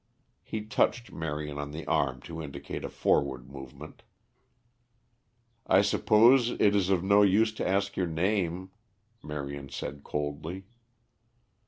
He touched Marion on the arm to indicate a forward movement. "I suppose it is of no use to ask your name," Marion said coldly.